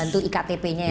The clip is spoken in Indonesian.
membantu iktp nya ya pak ya